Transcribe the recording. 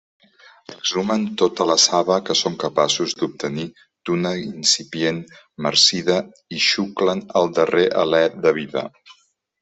Exhumen tota la saba que són capaços d'obtenir d'una incipient marcida i xuclen el darrer alé de vida.